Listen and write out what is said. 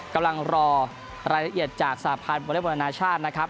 กำลังรอรายละเอียดจากสหพาลบริวอลอนาชาตินะครับ